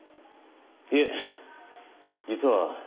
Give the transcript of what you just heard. いえ実は。